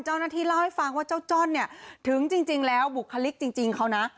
เจ้าหน้าที่เล่าให้ฟังว่าเจ้าจ้อนเนี่ยถึงจริงแล้วบุคลิกจริงเขานะ